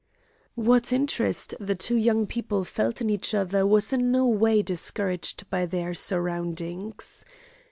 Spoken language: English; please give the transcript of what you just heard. What interest the two young people felt in each other was in no way discouraged by their surroundings.